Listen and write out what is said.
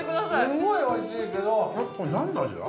すんごいおいしいけどこれ何の味だ？